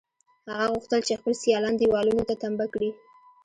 هغه غوښتل چې خپل سیالان دېوالونو ته تمبه کړي